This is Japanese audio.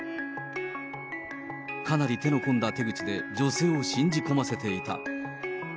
かなり手の込んだ手口で女性を信じ込ませていた。